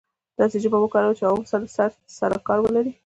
داسې ژبه باید وکاروو چې عوام ورسره سر او کار لري.